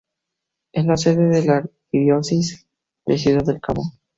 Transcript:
Es la sede de la Arquidiócesis de Ciudad del Cabo.